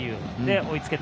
追いつけた。